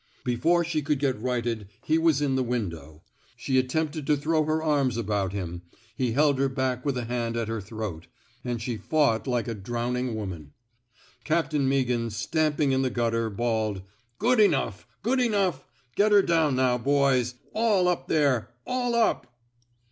Before she could get righted, he was in the window. She attempted to throw her arms about him; he held her back with a hand at her throat; and she fought like a drowning woman. Captain Meaghan, stamping in the gutter, bawled :Good enough ! Good enough ! Get her down, now, boys. All up there! All up!"